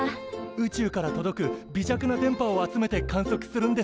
宇宙から届く微弱な電波を集めて観測するんですよね？